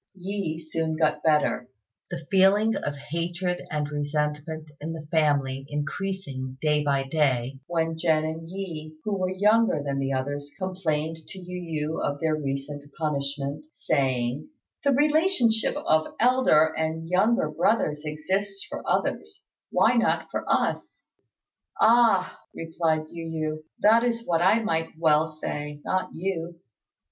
Yi soon got better, the feeling of hatred and resentment increasing in the family day by day; while Jen and Yi, who were younger than the others, complained to Yu yü of their recent punishment, saying, "The relationship of elder and younger brothers exists for others, why not for us?" "Ah," replied Yu yü, "that is what I might well say; not you."